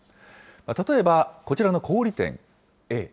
例えば、こちらの小売り店Ａ。